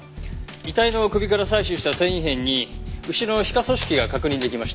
遺体の首から採取した繊維片に牛の皮下組織が確認出来ました。